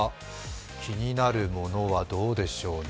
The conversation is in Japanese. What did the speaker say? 気になるものはどうでしょうね。